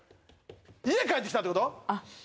家帰ってきたってこと？